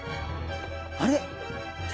あれ？